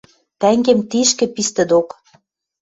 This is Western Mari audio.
Тӓнгем тишкӹ, пистӹ док.